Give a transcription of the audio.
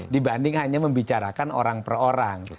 dibanding hanya membicarakan orang per orang